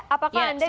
apakah anda bisa